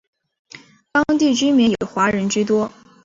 当地居民以华人居多。